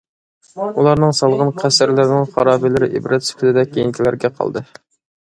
ئۇلارنىڭ سالغان قەسىرلىرىنىڭ خارابىلىرى ئىبرەت سۈپىتىدە كېيىنكىلەرگە قالدى.